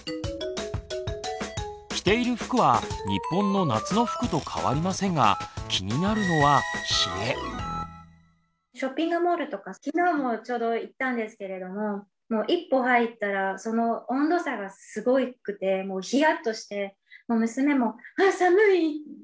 着ている服は日本の夏の服と変わりませんが気になるのはショッピングモールとか昨日もちょうど行ったんですけれども一歩入ったらその温度差がすごくてヒヤッとしてもう娘も「あ寒い！」ひと言。